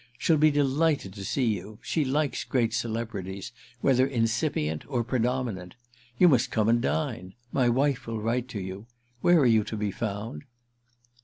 She'll be delighted to see you; she likes great celebrities, whether incipient or predominant. You must come and dine—my wife will write to you. Where are you to be found?"